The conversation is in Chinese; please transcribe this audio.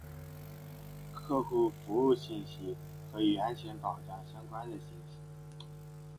·客户服务信息和与安全保障相关的信息。